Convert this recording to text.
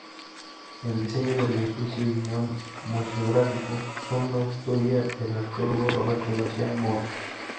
El diseño del edificio y guion museográfico son autoría del arqueólogo Roberto García Moll.